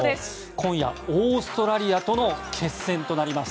今夜、オーストラリアとの決戦となります。